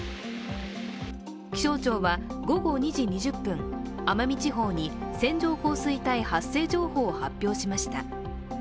気象庁は午後２時２０分奄美地方に線状降水帯発生情報を発表しました。